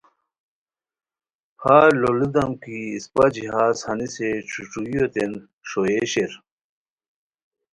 پھار لوڑیتام کی اِسپہ جہاز ہنیسے ݯھوݯھوئیوتین ݰوئے شیر